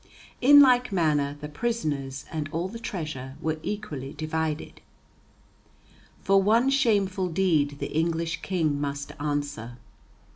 In like manner the prisoners and all the treasure were equally divided. For one shameful deed the English King must answer.